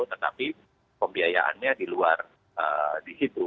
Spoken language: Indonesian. tetapi pembiayaannya di luar di situ